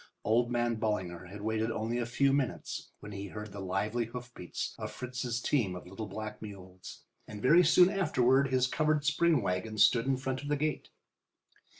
Old man Ballinger had waited only a few minutes when he heard the lively hoofbeats of Fritz's team of little black mules, and very soon afterward his covered spring wagon stood in front of the gate.